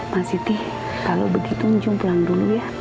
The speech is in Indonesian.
mak siti kalau begitu njung pulang dulu ya